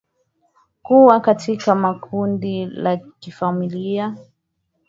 kuwa katika makundi la kifamilia